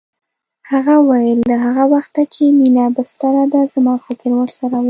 هغه وویل له هغه وخته چې مينه بستر ده زما فکر ورسره و